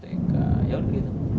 tapi ketika mendidik anak begitu ya